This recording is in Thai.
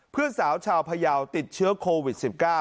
เพื่อนสาวชาวพยาวติดเชื้อโควิด๑๙